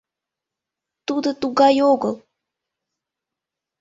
Тудо тугай огыл...